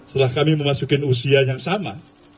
setelah kami memasuki usia yang sama